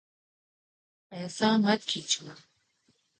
ایسا مت کیجیے